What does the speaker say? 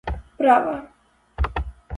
права